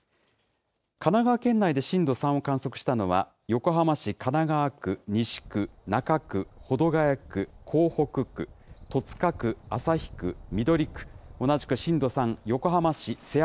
神奈川県内で震度３を観測したのは横浜市神奈川区、西区、中区、保土ヶ谷区、港北区、戸塚区、旭区、緑区、同じく震度３、横浜市せや